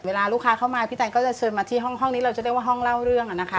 เวลาลูกค้าเข้ามาพี่แตนก็จะเชิญมาที่ห้องนี้เราจะเรียกว่าห้องเล่าเรื่องอะนะคะ